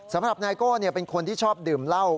สำหรับนายโก้เป็นคนที่ชอบดื่มเหล้า